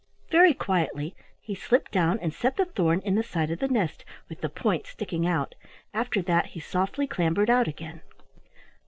Very quietly he slipped down, and set the thorn in the side of the nest, with the point sticking out. After that, he softly clambered out again.